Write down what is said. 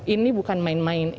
ini bukan main main